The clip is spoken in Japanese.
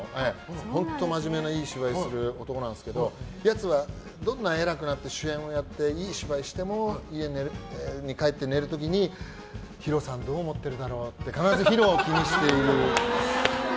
本当に真面目ないい芝居をする男なんですけどやつは、どんなに偉くなって主演をやっていい芝居をしても家に帰って寝る時にＨＩＲＯさんどう思ってるだろう？って必ずＨＩＲＯを気にしている。